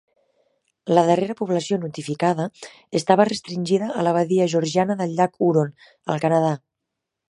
La darrera població notificada estava restringida a la badia georgiana del llac Huron, al Canadà.